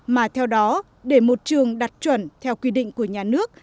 mà theo đó để một trường đạt chuẩn theo quy định của nhà nước